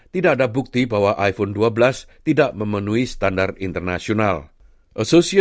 tidak ada bukti bahwa iphone dua belas tidak memenuhi standar internasional